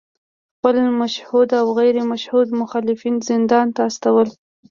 خپل مشهود او غیر مشهود مخالفین زندان ته استول